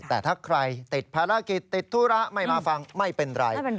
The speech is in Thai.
แต่ถ้าใครติดภารกิจติดธุระไม่มาฟังไม่เป็นไร